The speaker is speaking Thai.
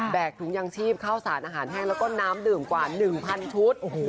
ถุงยางชีพเข้าสารอาหารแห้งแล้วก็น้ำดื่มกว่า๑๐๐ชุด